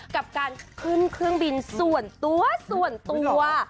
กับการขึ้นเครื่องบินส่วนตัวส่วนตัว